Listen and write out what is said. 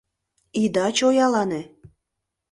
— Ида чоялане!